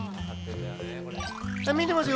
見てますよ。